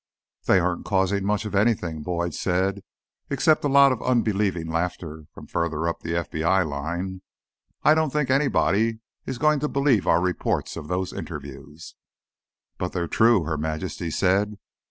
"They aren't causing much of anything," Boyd said. "Except a lot of unbelieving laughter further up the FBI line. I don't think anybody is going to believe our reports of those interviews." "But they're true," Her Majesty said.